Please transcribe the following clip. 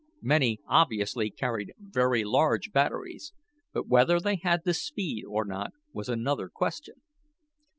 Many obviously carried very large batteries, but whether they had the speed or not was another question.